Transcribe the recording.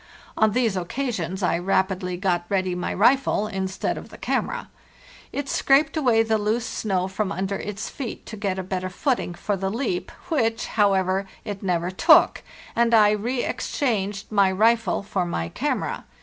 On these occasions I rapidly got ready my rifle instead of the camera. It scraped away the loose snow from under its feet to get a better footing for the leap which, however, it never took; and I reexchanged my rifle for my camera.